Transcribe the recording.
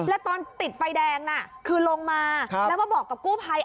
แล้วตอนติดไฟแดงน่ะคือลงมาแล้วมาบอกกับกู้ภัย